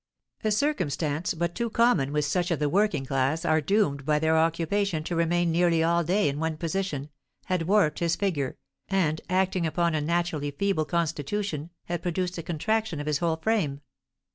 A circumstance, but too common with such of the working class as are doomed by their occupation to remain nearly all day in one position, had warped his figure, and, acting upon a naturally feeble constitution, had produced a contraction of his whole frame.